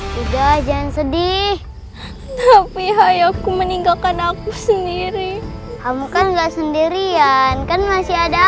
tidak jangan sedih tapi ayahku meninggalkan aku sendiri kamu kan nggak sendirian kan masih ada aku